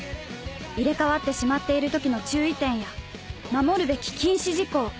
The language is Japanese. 入れ替わってしまっている時の注意点や守るべき禁止事項。